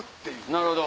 なるほど。